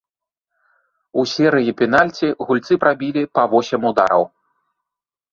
У серыі пенальці гульцы прабілі па восем удараў.